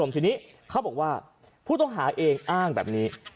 ทีนี้เขาบอกว่าผู้ต้องหาเองอ้างแบบนี้